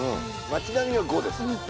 街並みは５です